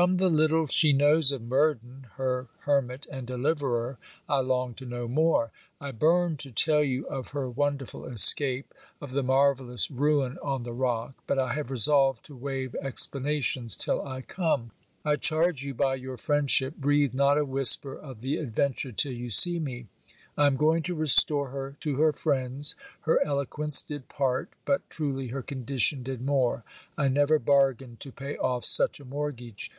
From the little she knows of Murden, (her hermit and deliverer) I long to know more. I burn to tell you of her wonderful escape, of the marvellous Ruin on the rock, but I have resolved to wave explanations till I come. I charge you, by your friendship, breathe not a whisper of the adventure till you see me. I am going to restore her to her friends; her eloquence did part, but truly her condition did more. I never bargained to pay off such a mortgage.